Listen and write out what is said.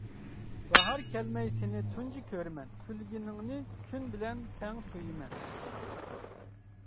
باھار كەلمەي سېنى تۇنجى كۆرىمەن، كۈلگىنىڭنى كۈن بىلەن تەڭ تۇيىمەن.